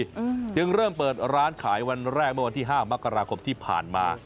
อืมจึงเริ่มเปิดร้านขายวันแรกเมื่อวันที่ห้ามกราคมที่ผ่านมา